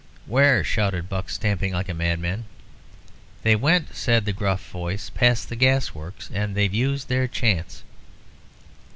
"Where?" shouted Buck, stamping like a madman. "They went," said the gruff voice, "past the Gas Works, and they've used their chance."